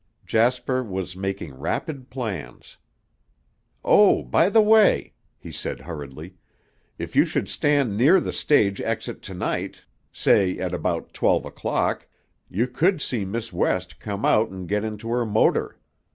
Jasper was making rapid plans. "Oh, by the way," he said hurriedly, "if you should stand near the stage exit to night, say at about twelve o'clock, you could see Miss West come out and get into her motor.